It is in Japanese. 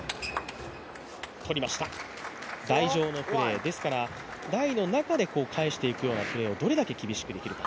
台上のプレー、台の中で返していくようなプレーをどれだけ厳しくできるか。